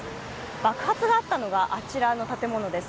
爆発があったのはあちらの建物です。